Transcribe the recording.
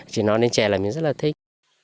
chỉ nói đến chè là mình rất là thích